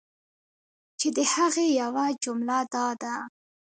چی د هغی یوه جمله دا ده